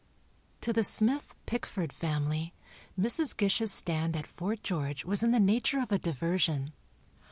'" To the Smith (Pickford) family, Mrs. Gish's stand at Fort George was in the nature of a diversion.